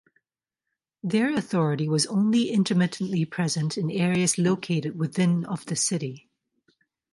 Their authority was only intermittently present in areas located within of the city.